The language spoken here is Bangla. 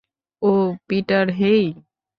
ওহ, পিটার, হেই।